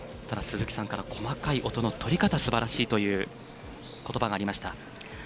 ただ、鈴木さんから細かい音の取り方すばらしいということばがありました。